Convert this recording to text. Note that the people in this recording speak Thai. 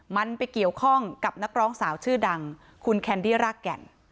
มันไปเกี่ยวข้องกับนักร้องสาวชื่อดังคุณแคนดี้รากแก่น